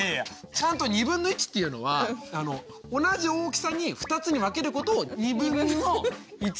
ちゃんとっていうのは同じ大きさに２つに分けることをっていうの。